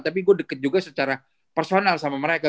tapi gue deket juga secara personal sama mereka